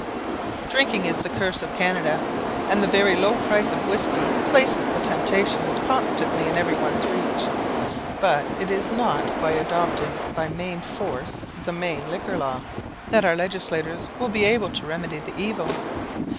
Drinking is the curse of Canada, and the very low price of whisky places the temptation constantly in every one's reach. But it is not by adopting by main force the Maine Liquor law, that our legislators will be able to remedy the evil.